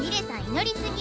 祈り過ぎ！